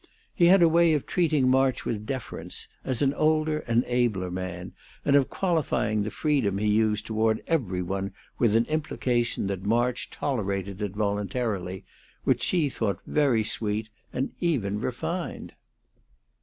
He had a way of treating March with deference, as an older and abler man, and of qualifying the freedom he used toward every one with an implication that March tolerated it voluntarily, which she thought very sweet and even refined.